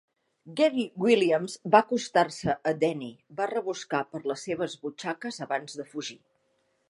Gary Williams va acostar-se a Denny va rebuscar per les seves butxaques abans de fugir.